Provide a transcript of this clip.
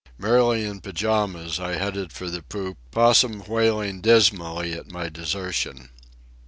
Merely in pyjamas I headed for the poop, Possum wailing dismally at my desertion.